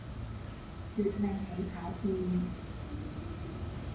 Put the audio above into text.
奪命起跑線